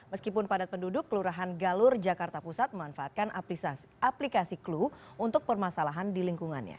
meskipun padat penduduk kelurahan galur jakarta pusat memanfaatkan aplikasi clue untuk permasalahan di lingkungannya